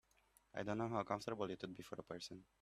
I don’t know how comfortable it would be for a person.